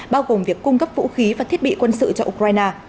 bao gồm việc cung cấp vũ khí và thiết bị quân sự cho ukraine